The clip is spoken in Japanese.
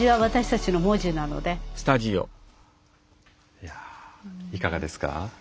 いやいかがですか？